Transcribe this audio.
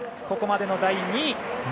ここまでの第２位。